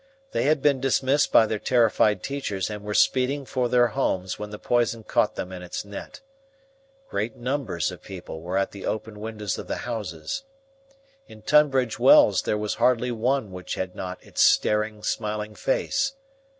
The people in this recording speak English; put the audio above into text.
They had been dismissed by their terrified teachers and were speeding for their homes when the poison caught them in its net. Great numbers of people were at the open windows of the houses. In Tunbridge Wells there was hardly one which had not its staring, smiling face.